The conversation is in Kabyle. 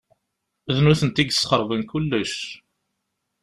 D nutenti i yesxeṛben kullec.